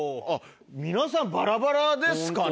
皆さんバラバラですかね。